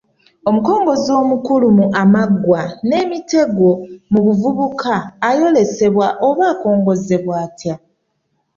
Omukongozzi omukulu mu “Amaggwa n’emitego mu buvubuka” ayolesebwa oba akongozzebwa atya?